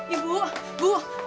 ibu ibu ibu